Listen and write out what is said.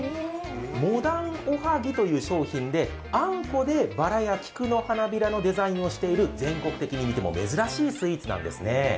モダンおはぎという商品であんこでバラや菊の花びらのデザインをしている全国的に見ても珍しいスイーツなんですね。